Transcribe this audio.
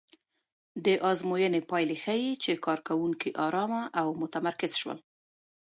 د ازموینې پایلې ښيي چې کارکوونکي ارامه او متمرکز شول.